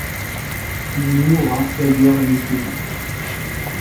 Il y mourra d'ailleurs l'année suivante.